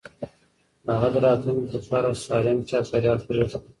هغه د راتلونکي لپاره سالم چاپېريال پرېښود.